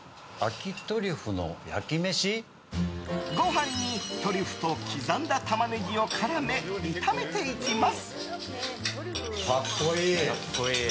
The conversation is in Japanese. ご飯にトリュフと刻んだタマネギを絡め炒めていきます。